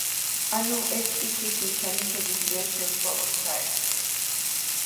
ანუ ეს კითხვის ნიშანი შეგვიძლია შევცვალოთ საერთოდ.